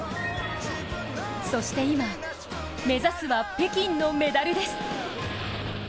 そして今、目指すは北京のメダルです。